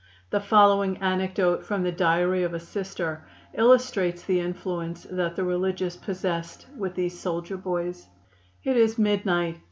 The following anecdote from the diary of a Sister illustrates the influence that the religious possessed with these soldier boys: "It is midnight.